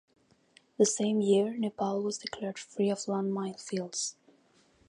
The same year Nepal was declared free of landmine fields.